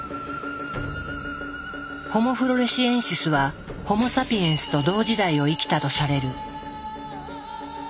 ホモ・フロレシエンシスはホモ・サピエンスと同時代を生きたとされる。